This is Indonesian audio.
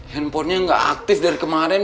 handphonenya nggak aktif dari kemarin